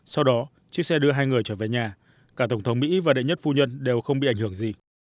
sau đó chiếc xe đưa hai người trở về nhà cả tổng thống mỹ và đệ nhất phu nhân đều không bị ảnh hưởng gì